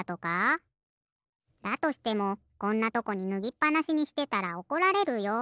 だとしてもこんなとこにぬぎっぱなしにしてたらおこられるよ。